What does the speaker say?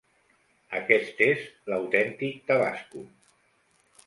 Aquest és l'autèntic tabasco.